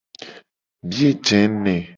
Biye je ne.